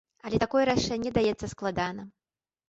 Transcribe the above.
Але такое рашэнне даецца складана.